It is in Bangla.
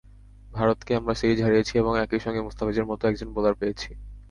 ভারতকে আমরা সিরিজ হারিয়েছি এবং একই সঙ্গে মুস্তাফিজের মতো একজন বোলার পেয়েছি।